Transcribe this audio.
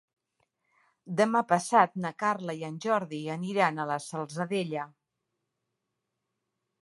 Demà passat na Carla i en Jordi aniran a la Salzadella.